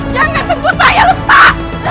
jangan sentuh saya lepas